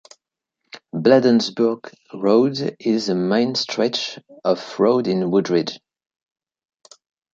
Bladensburg Road is a main stretch of road in Woodrige.